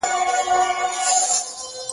جهاني څه ویل رویبار په ماته- ماته ژبه-